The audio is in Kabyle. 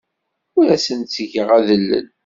Ur asent-ttgeɣ adellel.